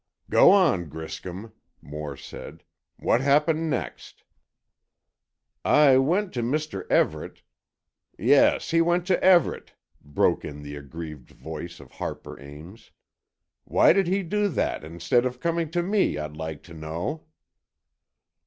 "Go on, Griscom," Moore said, "what happened next?" "I went to Mr. Everett——" "Yes, he went to Everett," broke in the aggrieved voice of Harper Ames. "Why did he do that, instead of coming to me, I'd like to know!"